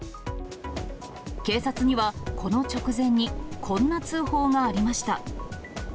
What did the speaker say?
警察にはこの直前にこんな通報がありました。